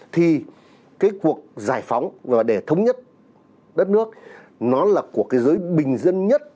thì cái cuộc giải phóng và để thống nhất đất nước nó là một cái giới bình dân nhất